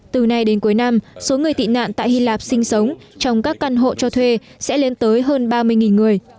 từ nay đến cuối năm số người tị nạn tại hy lạp sinh sống trong các căn hộ cho thuê sẽ lên tới hơn ba mươi người